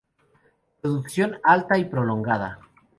Producción alta y prolongada.